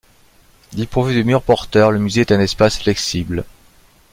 Dépourvu de mur porteur, le musée est un espace flexible.